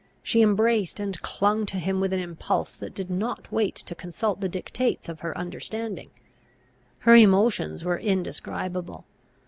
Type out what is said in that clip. She embraced and clung to him, with an impulse that did not wait to consult the dictates of her understanding. Her emotions were indescribable.